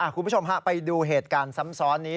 คุณผู้ชมฮะไปดูเหตุการณ์ซ้ำซ้อนนี้